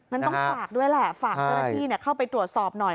มันต้องฝากด้วยแหละฝากเจ้าหน้าที่เข้าไปตรวจสอบหน่อย